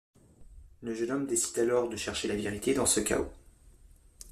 Le jeune homme décide alors de chercher la vérité dans ce chaos.